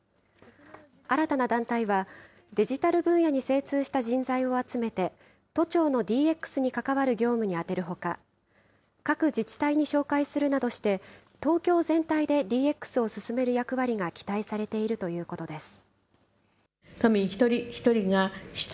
新たな団体は、デジタル分野に精通した人材を集めて、都庁のＤＸに関わる業務に充てるほか、各自治体に紹介するなどして、東京全体でＤＸを進める役割が期待されているということです。